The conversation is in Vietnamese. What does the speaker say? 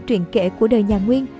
truyện kể của đời nhà nguyên